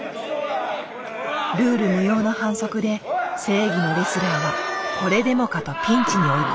ルール無用の反則で正義のレスラーはこれでもかとピンチに追い込まれる。